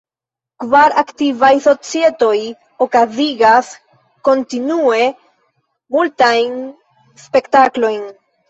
Kvar aktivaj societoj okazigas kontinue multajn spektaklojn.